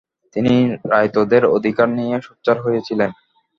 তিনি রায়তদের অধিকার নিয়ে সোচ্চার হয়েছিলেন।